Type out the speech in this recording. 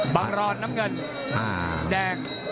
รอนน้ำเงินแดง